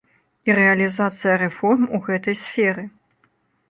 І рэалізацыя рэформ у гэтай сферы.